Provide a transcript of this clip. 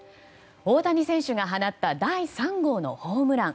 大谷選手が放った第３号のホームラン。